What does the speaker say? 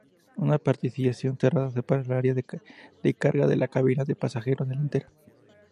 Una partición cerrada separa el área de carga de la cabina de pasajeros delantera.